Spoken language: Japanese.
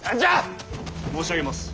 申し上げます。